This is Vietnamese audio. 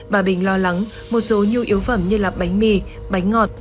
bà bình lo lắng một số nhu yếu phẩm như bánh mì bánh ngọt